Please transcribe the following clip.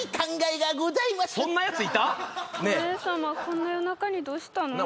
こんな夜中にどうしたの？」